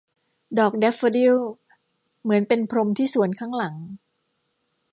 ดอกแดฟโฟดิลเหมือนเป็นพรมที่สวนข้างหลัง